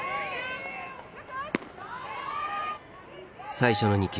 最初の２球。